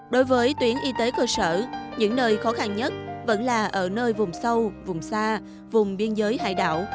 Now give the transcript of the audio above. đối với tuyến y tế cơ sở những nơi khó khăn nhất vẫn là ở nơi vùng sâu vùng xa vùng biên giới hải đảo